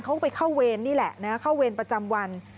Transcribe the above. เขาก็ไปเข้าเวรนี่แหละนะเข้าเวรประจำวัน